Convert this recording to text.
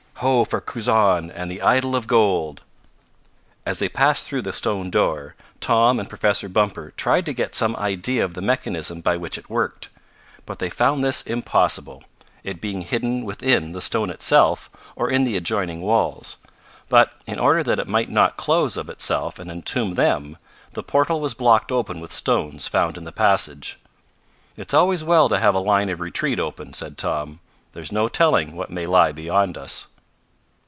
Ho for Kurzon and the idol of gold!" As they passed through the stone door, Tom and Professor Bumper tried to get some idea of the mechanism by which it worked. But they found this impossible, it being hidden within the stone itself or in the adjoining walls. But, in order that it might not close of itself and entomb them, the portal was blocked open with stones found in the passage. "It's always well to have a line of retreat open," said Tom. "There's no telling what may lie beyond us."